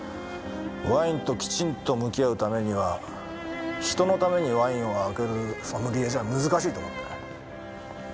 ワインときちんと向き合うためには人のためにワインを開けるソムリエじゃ難しいと思ってね。